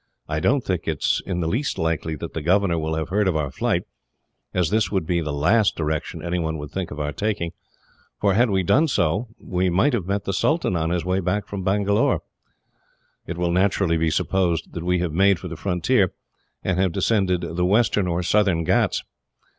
I don't think it is in the least likely that the governor will have heard of our flight, as this would be the last direction anyone would think of our taking, for had we done so, we might have met the Sultan on his way back from Bangalore. It will naturally be supposed that we have made for the frontier, and have descended the Western or Southern Ghauts.